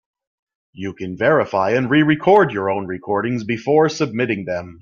You can verify and re-record your own recordings before submitting them.